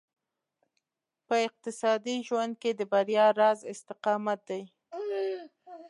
په اقتصادي ژوند کې د بريا راز استقامت دی.